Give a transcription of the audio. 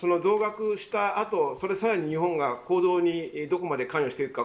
ただ、増額したあとにさらに、日本がどこまで関与していくか